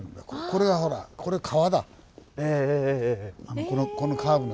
これはほらこれか？